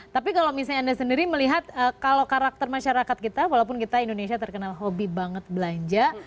tapi kalau misalnya anda sendiri melihat kalau karakter masyarakat kita walaupun kita indonesia terkenal hobi banget belanja